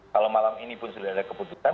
kalau malam ini pun sudah ada keputusan